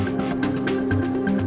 meninggal di seluruh negeri